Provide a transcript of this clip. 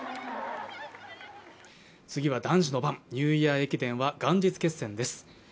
次は男子の番、ニューイヤー駅伝は元日決戦です。